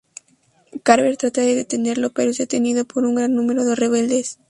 Carver trata de detenerlo, pero es detenido por un gran número de rebeldes.